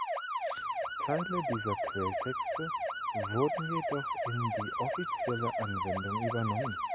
Teile dieser Quelltexte wurden jedoch in die offizielle Anwendung übernommen.